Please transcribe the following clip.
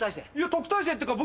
特待生っていうか